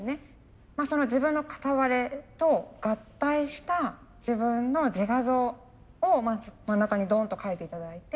自分の片割れと合体した自分の自画像をまず真ん中にドンと描いて頂いて。